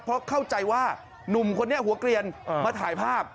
เพราะเข้าใจว่าหนุ่มคนนี้หัวเกลียนมาถ่ายภาพ